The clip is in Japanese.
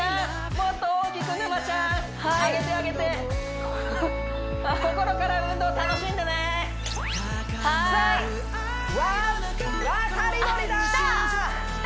もっと大きく沼ちゃんはい上げて上げて心から運動楽しんでねはーいさあわ渡り鳥だきた！